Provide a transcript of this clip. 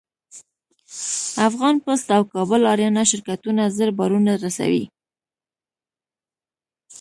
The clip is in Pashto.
افغان پسټ او کابل اریانا شرکتونه زر بارونه رسوي.